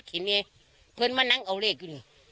เห็นไงเพื่อนมานั่งเอาเลขอยู่นี่